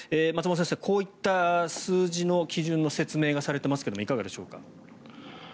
松本先生、こういった数字の基準の説明がされていますがいかがでしょうか。